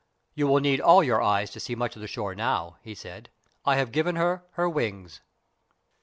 "You will need all your eyes to see much of the shore now," he said; "I have given her her wings."